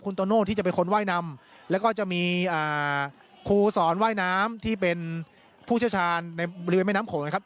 โตโน่ที่จะเป็นคนว่ายนำแล้วก็จะมีครูสอนว่ายน้ำที่เป็นผู้เชี่ยวชาญในบริเวณแม่น้ำโขงนะครับ